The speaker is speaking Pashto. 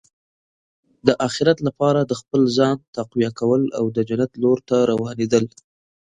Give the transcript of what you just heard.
د اخرت لپاره د خپل ځان تقویه کول او د جنت لور ته روانېدل.